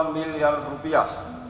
dua miliar rupiah